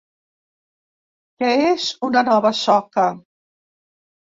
Què és una nova soca?